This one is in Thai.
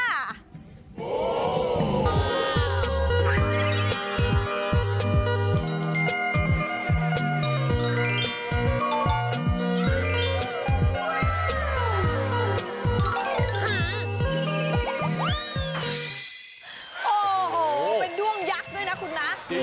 โอ้โหเป็นด้วงยักษ์ด้วยนะคุณนะ